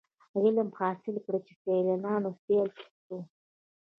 علم حاصل کړی چي د سیالانو سیال سو.